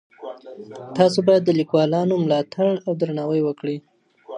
تاسو بايد د ليکوالانو ملاتړ او درناوی وکړئ.